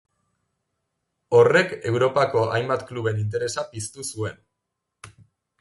Horrek Europako hainbat kluben interesa piztu zuen.